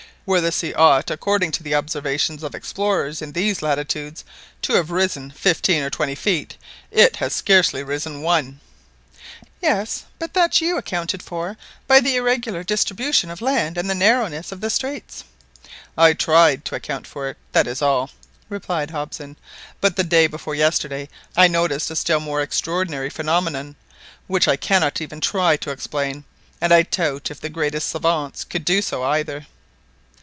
"Where the sea ought according to the observations of explorers in these latitudes, to have risen fifteen or twenty feet, it has scarcely risen one !" "Yes; but that you accounted for by the irregular distribution of land and the narrowness of the straits." "I tried to account for it, that is all," replied Hobson; "but the day before yesterday I noticed a still more extraordinary phenomenon, which I cannot even try to explain, and I doubt if the greatest savants could do so either."